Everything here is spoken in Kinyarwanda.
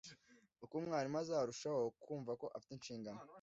Uko umwarimu azarushaho kumva ko afite inshingano